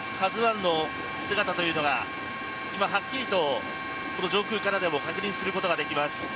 「ＫＡＺＵ１」の姿というのが今、はっきりとこの上空からでも確認することができます。